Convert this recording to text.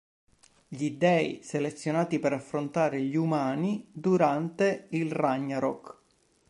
Gli dèi selezionati per affrontare gli umani durante il Ragnarok.